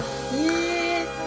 え。